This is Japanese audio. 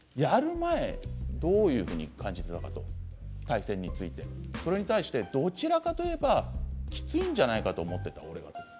前どういうふうに感じていたかと対戦について、それに対してどちらかといえばきついんじゃないかと思っていた、俺が。